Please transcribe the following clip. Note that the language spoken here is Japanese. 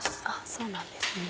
そうなんですね。